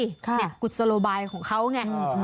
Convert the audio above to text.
กุศโลบายของเขาไง